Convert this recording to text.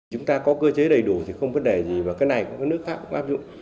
chúng ta có cơ chế đầy đủ thì không vấn đề gì và cái này các nước khác cũng áp dụng